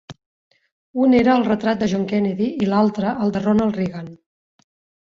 Un era el retrat de John Kennedy i l'altre, el de Ronald Reagan.